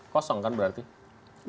kosong kan berarti